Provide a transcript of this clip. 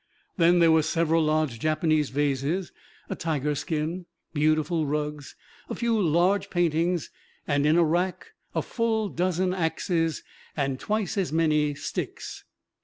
Then there were several large Japanese vases, a tiger skin, beautiful rugs, a few large paintings, and in a rack a full dozen axes and twice as many "sticks."